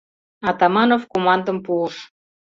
— Атаманов командым пуыш.